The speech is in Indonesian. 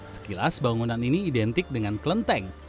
sekilas bangunan ini identik dengan klenteng